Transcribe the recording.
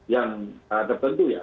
yang tertentu ya